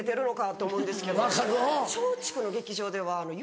松竹の劇場ではよ